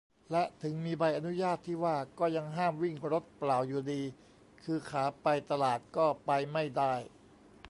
และถึงมีใบอนุญาตที่ว่าก็ยังห้ามวิ่งรถเปล่าอยู่ดี คือขาไปตลาดก็ไปไม่ได้